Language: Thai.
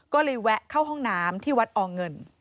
ก็เลยแวะเข้าห้องน้ำที่วัดอเงิน